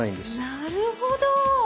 なるほど！